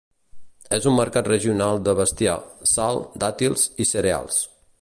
És un mercat regional de bestiar, sal, dàtils i cereals.